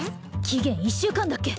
期限１週間だっけ？